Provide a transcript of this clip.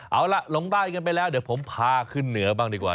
เอาล่ะลงใต้กันไปแล้วเดี๋ยวผมพาขึ้นเหนือบ้างดีกว่า